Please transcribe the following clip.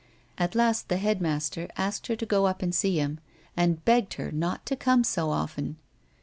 At last the head master asked her to go up and see him, and begged her not to come so often.